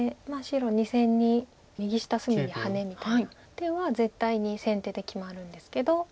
白２線に右下隅にハネみたいな手は絶対に先手で決まるんですけど。